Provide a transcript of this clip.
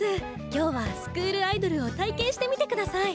今日はスクールアイドルを体験してみて下さい。